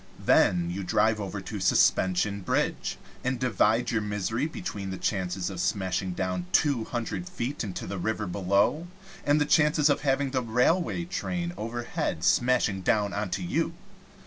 Then you drive over to Suspension Bridge, and divide your misery between the chances of smashing down two hundred feet into the river below, and the chances of having the railway train overhead smashing down onto you.